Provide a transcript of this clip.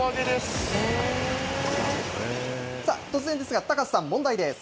さあ、突然ですが、高瀬さん、問題です。